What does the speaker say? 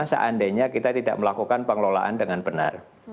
seandainya kita tidak melakukan pengelolaan dengan benar